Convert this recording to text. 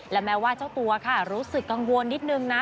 และแม้ว่าเจ้าตัวค่ะรู้สึกกังวลนิดนึงนะ